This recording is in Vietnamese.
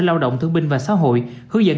lao động thương binh và xã hội hướng dẫn